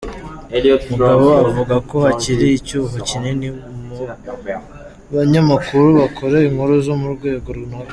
Mugabe avuga ko hakiri icyuho kinini mu banyamakuru bakora inkuru zo murwego runaka.